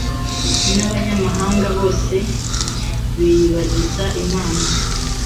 n’abanyamahanga bose biyibagiza Imana